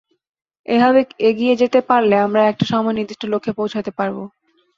এভাবে এগিয়ে যেতে পারলে আমরা একটা সময়ে নির্দিষ্ট লক্ষ্যে পৌঁছাতে পারব।